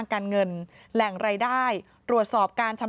ก็เลยอ้าวไหนบอกว่ารวย